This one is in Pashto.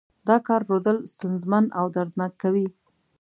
دا کار رودل ستونزمن او دردناک کوي.